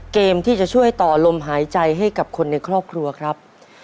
เกมที่จะช่วยต่อลมหายใจให้กับคนในครอบครัวครับ